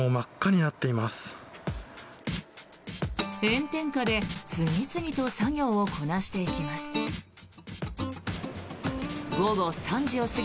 炎天下で次々と作業をこなしていきます。